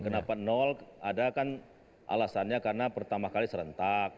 kenapa nol ada kan alasannya karena pertama kali serentak